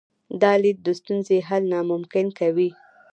دا لید د ستونزې حل ناممکن کوي.